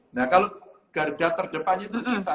nah kalau garda terdepan itu kita